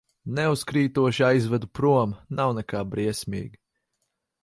Neuzkrītoši aizvedu prom, nav nekā briesmīga.